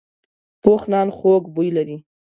پوخ نان خوږ بوی لري